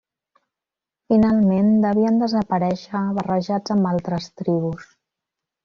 Finalment devien desaparèixer barrejats amb altres tribus.